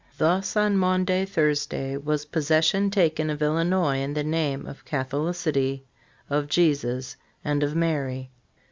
Thus on Maundy Thursday was possession taken of Illinois in the name of Catholicity of Jesus and of Mary."